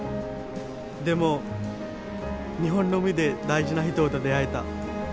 でも日本の海で大事な人と出会えた。